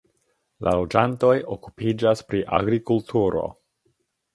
La loĝantoj okupiĝas pri agrikulturo.